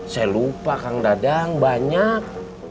saya lupa kang dadang banyak